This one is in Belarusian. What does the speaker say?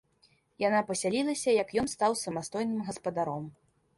Яна пасялілася, як ён стаў самастойным гаспадаром.